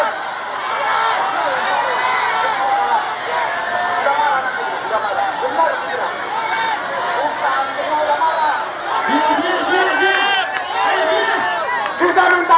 ustaz itu sudah malam